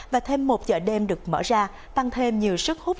và thêm một chợ đêm được mở ra tăng thêm nhiều sức hút